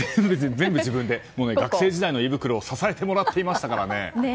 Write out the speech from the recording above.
学生時代の胃袋を支えてもらっていましたからね。